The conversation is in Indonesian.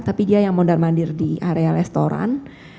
tapi dia yang mondar mandir di area restoran